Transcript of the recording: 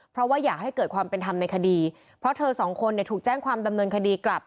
เพราะว่าอยากให้เกิดความเป็นธรรมในคดีเพราะเธอสองคนเนี่ยถูกแจ้งความดำเนินคดีกลับ